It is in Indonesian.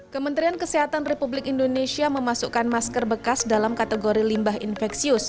kementerian kesehatan republik indonesia memasukkan masker bekas dalam kategori limbah infeksius